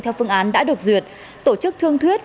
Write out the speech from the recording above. theo phương án đã được duyệt tổ chức thương thuyết